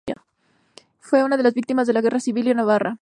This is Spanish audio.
Fue una de las Víctimas de la Guerra Civil en Navarra.